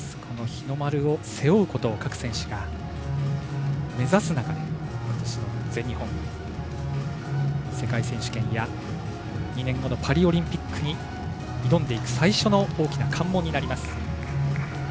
日の丸を背負うことを各選手が目指す中でことしの全日本世界選手権や２年後のパリオリンピックに挑んでいく最初の大きな関門になります。